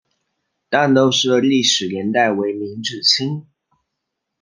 旦斗寺的历史年代为明至清。